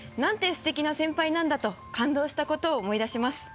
すてきな先輩なんだと感動したことを思い出します」